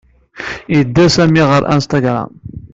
Yedda Sami ɣer Instagram.